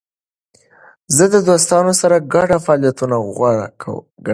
زه د دوستانو سره ګډ فعالیتونه غوره ګڼم.